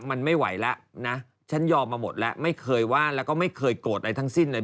มันไม่ไหวแล้วนะฉันยอมมาหมดแล้วไม่เคยว่าแล้วก็ไม่เคยโกรธอะไรทั้งสิ้นเลย